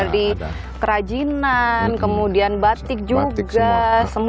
dari kerajinan kemudian batik juga semuanya ada di situ